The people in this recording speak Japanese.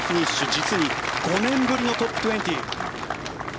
実に５年ぶりのトップ２０。